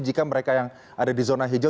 jika mereka yang ada di zona hijau